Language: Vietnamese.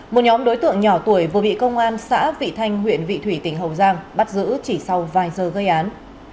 một nhóm đối tượng nhỏ tuổi vừa bị công an xã vị thanh huyện vị thủy tỉnh hậu giang bắt giữ chỉ sau vài giờ gây án